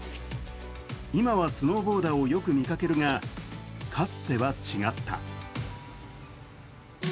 今はスノーボーダーをよく見かけるか、かつては違った。